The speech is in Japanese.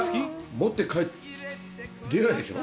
持って帰って、出ないでしょう？